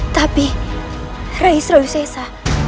tapi rai surawisesa